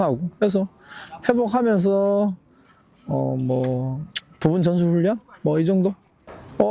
dan berusaha mencari kompetitif untuk mencapai keuntungan